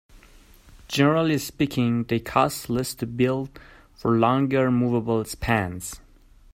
Generally speaking they cost less to build for longer moveable spans.